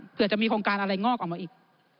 เผื่อจะมีโครงการอะไรงอกออกมาอีก